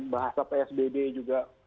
bahasa psbb juga